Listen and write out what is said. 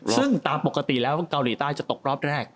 ซึ่งตามปกติแล้วเกาหลีใต้จะตกรอบแรก